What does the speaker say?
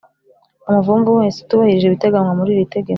umuvumvu wese utubahirije ibiteganywa muri iri tegeko